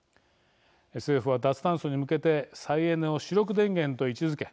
政府は脱炭素に向けて再エネを主力電源と位置づけ